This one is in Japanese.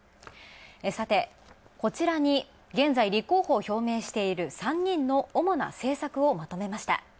さて、こちらに現在立候補を表明している３人の主な政策をまとめました。